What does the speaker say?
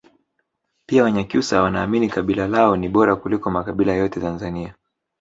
pia wanyakyusa Wanaamini kabila lao ni bora kuliko makabila yote Tanzania